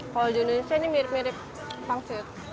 kalau di indonesia ini mirip mirip pangsir